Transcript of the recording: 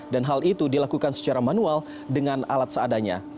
dan hal itu dilakukan secara manual dengan alat seadanya